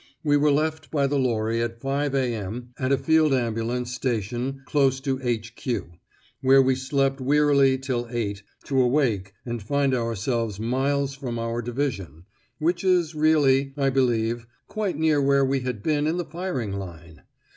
We were left by the lorry at 5.0 a.m. at a field ambulance station 'close to H.Q.,' where we slept wearily till 8.0, to awake and find ourselves miles from our division, which is really, I believe, quite near where we had been in the firing line!